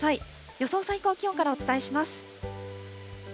予想最高気温からお伝えします。